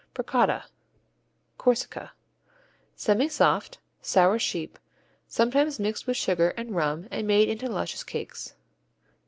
Bricotta Corsica Semisoft, sour sheep, sometimes mixed with sugar and rum and made into small luscious cakes.